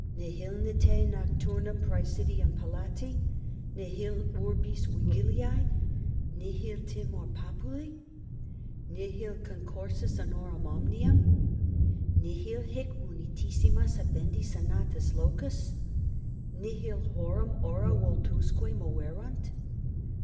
Nihilne te nocturnum praesidium Palatii, nihil urbis vigiliae, nihil timor populi, nihil concursus bonorum omnium, nihil hic munitissimus habendi senatus locus, nihil horum ora vultusque moverunt?